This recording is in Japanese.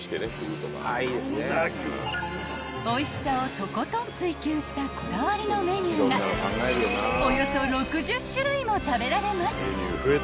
［おいしさをとことん追求したこだわりのメニューがおよそ６０種類も食べられます］